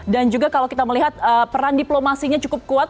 dan juga kalau kita melihat peran diplomasinya cukup kuat